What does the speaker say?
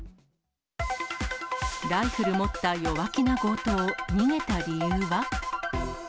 ライフル持った弱気な強盗、逃げた理由は？